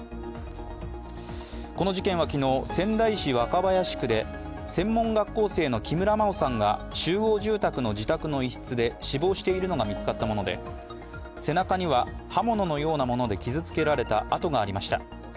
この事件は昨日、仙台市若林区で専門学校生の木村真緒さんが集合住宅の自宅の一室で死亡しているのが見つかったもので、背中には刃物のようなもので傷つけられた痕がありました。